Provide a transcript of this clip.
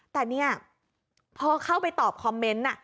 แต่เนี่ยพอเข้าไปตอบคอมเมนต์